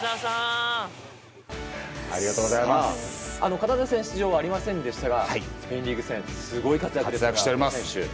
カナダ戦出場はありませんでしたがスペインリーグ戦すごい活躍の久保選手。